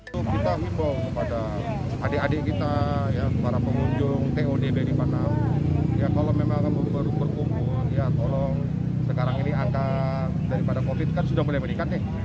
jangan buang sampah sampah karena ini kan ruang publik